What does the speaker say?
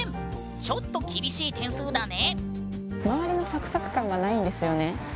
ちょっと厳しい点数だね。